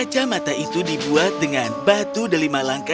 kacamata itu dibuat dengan batu delima langka